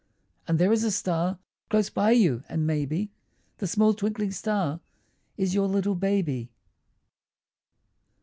And there is a star Close by you, and maybe That small twinkling star Is your little baby.